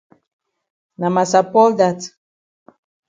Na massa Paul dat.